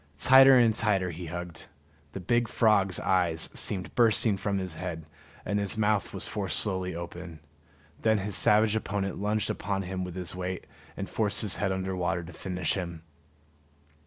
Tighter and tighter he hugged; the big frog's eyes seemed bursting from his head, and his mouth was forced slowly open. Then his savage opponent lunged upon him with his weight, and forced his head under water to finish him.